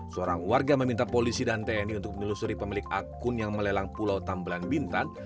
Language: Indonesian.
seorang warga meminta polisi dan tni untuk menelusuri pemilik akun yang melelang pulau tambelan bintan